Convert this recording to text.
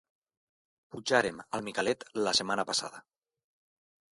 Pujàrem al Micalet la setmana passada